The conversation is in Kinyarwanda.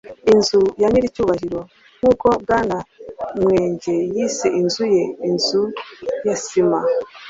inzu ya nyiricyubahiro - nkuko bwana nwege yise inzu ye, inzu ya sima